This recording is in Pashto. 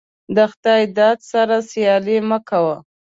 دخداى داده سره سيالي مه کوه.